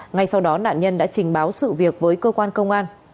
ngay sau đó nạn nhân đã trình báo sự việc với cơ quan công an